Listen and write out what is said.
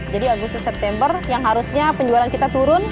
jadi agustus dan september yang harusnya penjualan kita turun